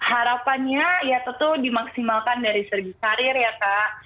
harapannya ya tentu dimaksimalkan dari segi karir ya kak